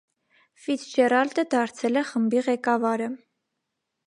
Ֆիցջերալդը դարձել է խմբի ղեկավարը։